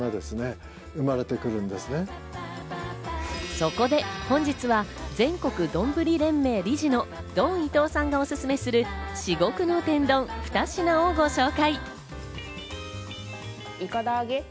そこで本日は全国丼連盟理事のドン伊藤さんがオススメする至極の天丼、２品をご紹介。